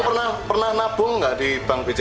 tapi kamu pernah nabung nggak di bank bca